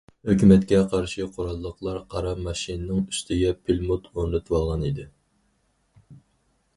ھۆكۈمەتكە قارشى قوراللىقلار قارا ماشىنىنىڭ ئۈستىگە پىلىموت ئورنىتىۋالغان ئىدى.